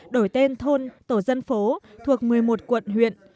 đổi tên thôn tổ dân phố thuộc một mươi một quận huyện